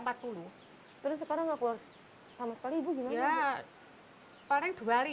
terus sekarang gak keluar sama sekali ibu gimana